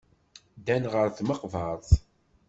Ddan ɣer tmeqbert.